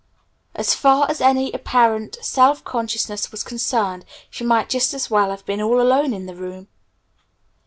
As far as any apparent self consciousness was concerned, she might just as well have been all alone in the room.